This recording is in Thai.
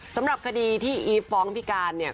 สำหรับคดีที่อีฟฟ้องพิการเนี่ย